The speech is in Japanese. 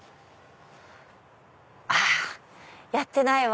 あやってないわ！